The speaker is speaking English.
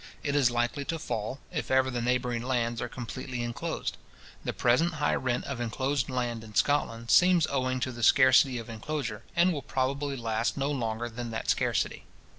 It is likely to fall, if ever the neighbouring lands are completely inclosed. The present high rent of inclosed land in Scotland seems owing to the scarcity of inclosure, and will probably last no longer than that scarcity.